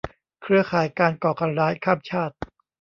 เครือข่ายการก่อการร้ายข้ามชาติ